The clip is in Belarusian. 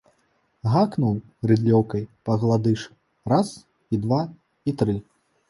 Гакнуў рыдлёўкай па гладышы раз і два і тры!